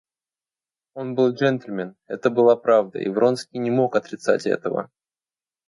Он был джентльмен — это была правда, и Вронский не мог отрицать этого.